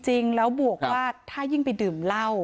จริงแล้วบวกว่าถ้ายิ่งไปดื่มเหล้า